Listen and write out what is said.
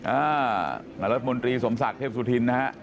นายรัฐมนตรีสมศักดิ์เทพสุธินนะฮะ